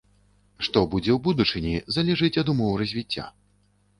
Што будзе ў будучыні, залежыць ад умоў развіцця.